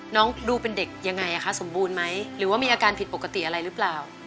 น้องดูเป็นเด็กยังไงคะสมบูรณ์ไหมหรือว่ามีอาการผิดปกติอะไรหรือเปล่า